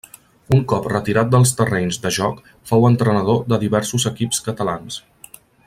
Un cop retirat dels terrenys de joc fou entrenador de diversos equips catalans.